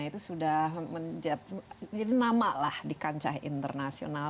itu sudah menjadi nama lah di kancah internasional